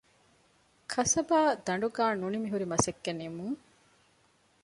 ކަސަބާދަނޑުގައި ނުނިމިހުރި މަސައްކަތް ނިންމުން